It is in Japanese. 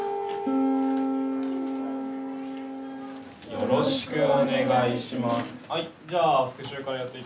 よろしくお願いします。